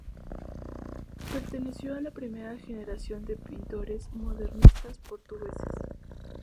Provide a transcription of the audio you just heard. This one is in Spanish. Perteneció a la primera generación de pintores modernistas portugueses.